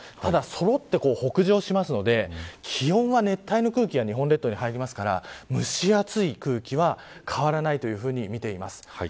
そろって北上しているので気温は熱帯の空気が日本列島に入るので蒸し暑い空気は変わらないとみています。